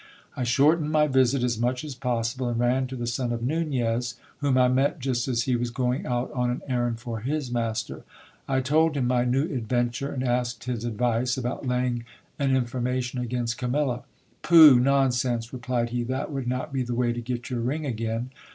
I shortened my visit as much as possible, and ran to the son of Nunez, whom I met just as he was going out on an errand for his master. I told him my new adventure, and asked his advice about laying an information against Camilla. Pooh ! Nonsense ! replied he ; that would not be the way to get your ring again.